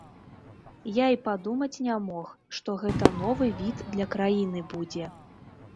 Я і падумаць не мог, што гэта новы від для краіны будзе.